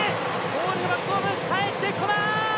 バックホームかえってこない。